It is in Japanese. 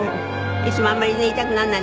いつもあんまりね痛くならない。